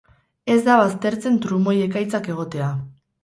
Ez da baztertzen trumoi-ekaitzak egotea.